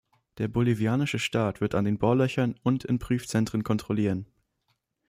Der bolivianische Staat wird an den Bohrlöchern und in Prüfzentren kontrollieren.